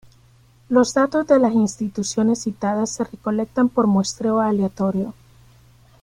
Los datos de las instituciones citadas se recolectan por muestreo aleatorio.